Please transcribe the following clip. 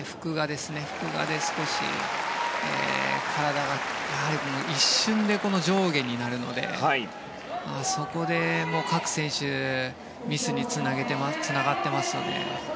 フクガで少し体が一瞬でこの上下になるのであそこで各選手ミスにつながっていますよね。